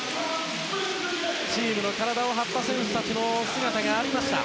チームの、体を張った選手たちの姿がありました。